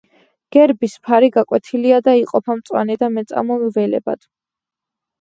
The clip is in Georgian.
გერბის ფარი გაკვეთილია და იყოფა მწვანე და მეწამულ ველებად.